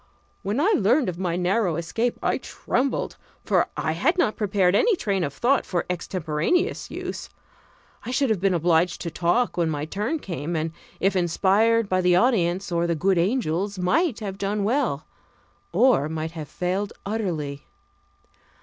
When I learned of my narrow escape, I trembled, for I had not prepared any train of thought for extemporaneous use. I should have been obliged to talk when my turn came, and if inspired by the audience or the good angels, might have done well, or might have failed utterly.